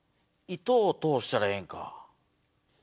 糸を通したらええんか。